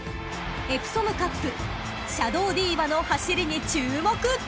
［エプソムカップシャドウディーヴァの走りに注目！］